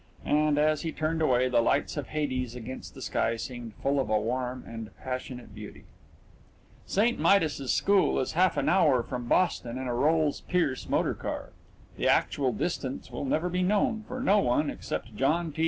And, as he turned away, the lights of Hades against the sky seemed full of a warm and passionate beauty. St. Midas's School is half an hour from Boston in a Rolls Pierce motor car. The actual distance will never be known, for no one, except John T.